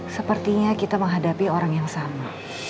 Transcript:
sepertinya kita menghadapi orang yang sama